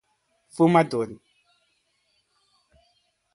Fumador